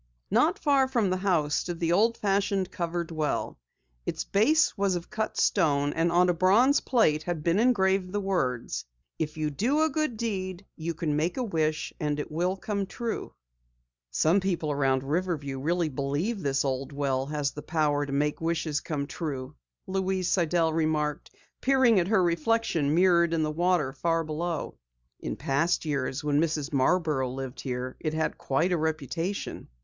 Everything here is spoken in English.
Not far from the house stood the old fashioned covered well. Its base was of cut stone and on a bronze plate had been engraved the words: "If you do a good deed, you can make a wish and it will come true." "Some people around Riverview really believe that this old well has the power to make wishes come true," Louise Sidell remarked, peering at her reflection mirrored in the water far below. "In the past years when Mrs. Marborough lived here, it had quite a reputation."